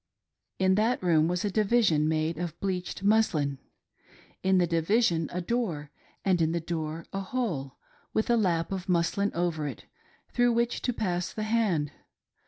In that room was a division made of bleached muslin ; in the division a door and in the door a hole, with a lap of muslin over it, through which to pass the hand.